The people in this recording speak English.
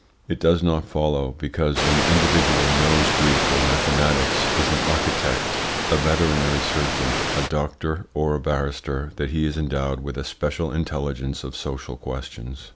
It does not follow because an individual knows Greek or mathematics, is an architect, a veterinary surgeon, a doctor, or a barrister, that he is endowed with a special intelligence of social questions.